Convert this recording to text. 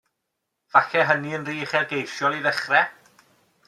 Falle hynny'n rhy uchelgeisiol i ddechrau?